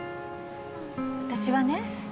私はね